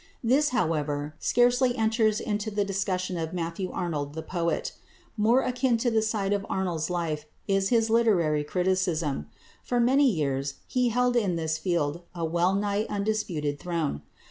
This, however, scarcely enters into the discussion of Matthew Arnold the poet. More akin to that side of Arnold's life is his literary criticism. For many years he held in this field a well nigh undisputed throne.